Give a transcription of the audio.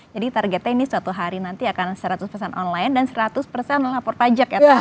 jadi targetnya ini suatu hari nanti akan seratus online dan seratus lapor pajak ya